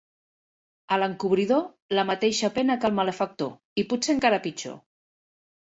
A l'encobridor, la mateixa pena que al malfactor, i potser encara pitjor.